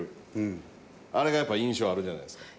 あれがやっぱ印象あるじゃないですか。